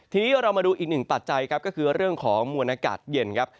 ทีนี้เรามาดูอีกหนึ่งปัจจัยครับก็คือเรื่องของมวลอากาศเย็นครับ